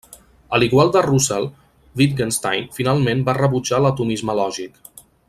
A l'igual de Russell, Wittgenstein finalment va rebutjar l'atomisme lògic.